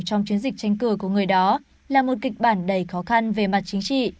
trong chiến dịch tranh cử của người đó là một kịch bản đầy khó khăn về mặt chính trị